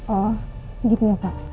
oh gitu ya pak